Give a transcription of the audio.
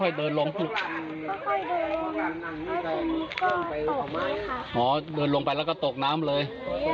ค่อยค่อยเดินลงแล้วทีนี้ก็ตกไปค่ะอ๋อเดินลงไปแล้วก็ตกน้ำเลย